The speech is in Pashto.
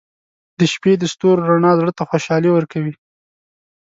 • د شپې د ستورو رڼا زړه ته خوشحالي ورکوي.